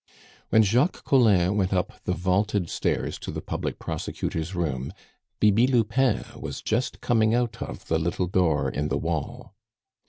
When Jacques Collin went up the vaulted stairs to the public prosecutor's room, Bibi Lupin was just coming out of the little door in the wall.